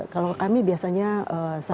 kalau kami biasanya sangat memperhatikan